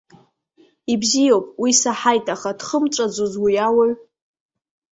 Ибзиоуп, уи саҳаит, аха дхымҵәаӡоз уи ауаҩ?